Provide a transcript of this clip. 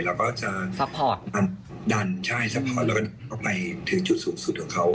เราก็จะดันใช่สปอร์ตแล้วก็ไปถึงจุดสูงสุดของเขา